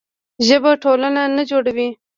ژبه ټولنه نه جوړوي.